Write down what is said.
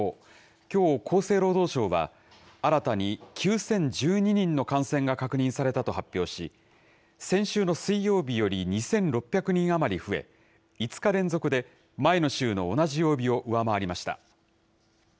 きょう、厚生労働省は、新たに９０１２人の感染が確認されたと発表し、先週の水曜日より２６００人余り増え、５日連続で前の週の同じ曜日を上回りました。